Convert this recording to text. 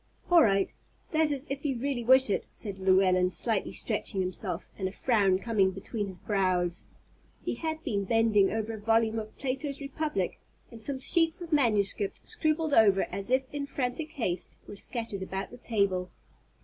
"All right—that is, if you really wish it," said Llewellyn, slightly stretching himself, and a frown coming between his brows. He had been bending over a volume of Plato's "Republic," and some sheets of manuscript, scribbled over as if in frantic haste, were scattered about the table.